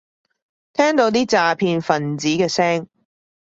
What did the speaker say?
聽到啲詐騙份子嘅聲